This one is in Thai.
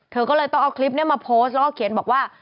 เธอก็เลยต้องเอาคลิปนี้มาโพสต์แล้วก็เขียนบอกว่า